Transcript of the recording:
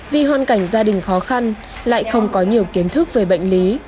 vì hoàn cảnh gia đình khó khăn lại không có nhiều kiến thức về bệnh lý